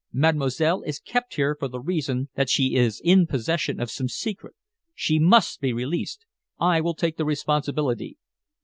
Mademoiselle is kept here for the reason that she is in possession of some secret. She must be released I will take the responsibility."